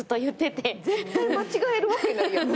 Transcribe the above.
絶対間違えるわけないやん。